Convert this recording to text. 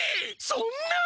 そんな！